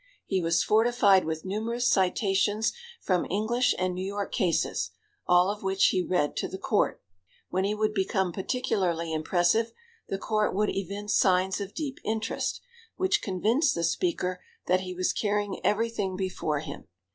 He was fortified with numerous citations from English and New York cases, all of which he read to the court. When he would become particularly impressive, the court would evince signs of deep interest, which convinced the speaker that he was carrying everything before him.